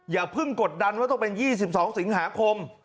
อย่าเพิ่งกดดันว่าต้องเป็น๒๒สิงหาคม